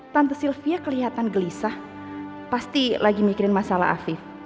tante sylvia kelihatan gelisah pasti lagi mikirin masalah afif